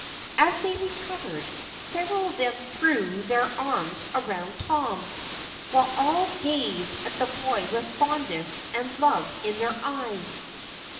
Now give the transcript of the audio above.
As they recovered, several of them threw their arms around Tom, while all gazed at the boy with fondness and love in their eyes.